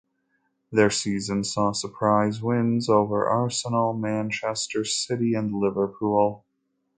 Their season saw surprise wins over Arsenal, Manchester City and Liverpool.